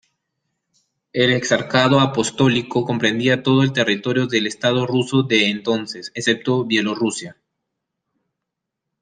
El exarcado apostólico comprendía todo el territorio del Estado ruso de entonces, excepto Bielorrusia.